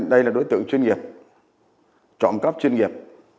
đây là đối tượng chuyên nghiệp trộm cắp chuyên nghiệp